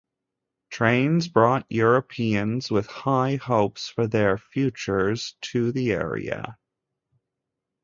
Trains brought Europeans with high hopes for their futures to the area.